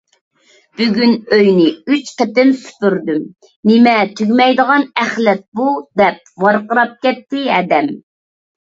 — بۈگۈن ئۆينى ئۈچ قېتىم سۈپۈردۈم، نېمە تۈگىمەيدىغان ئەخلەت بۇ؟ !— دەپ ۋارقىراپ كەتتى ھەدەم.